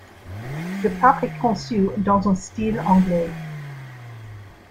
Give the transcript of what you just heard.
Le parc est conçu dans un style anglais.